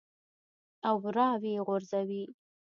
او راویې غورځوې.